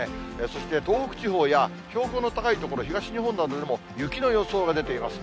そして東北地方や標高の高い所、東日本でも雪の予想が出ています。